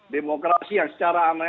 demokrasi yang secara amal